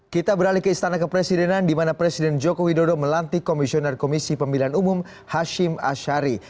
kita beralih ke istana kepresidenan di mana presiden joko widodo melantik komisioner komisi pemilihan umum hashim ashari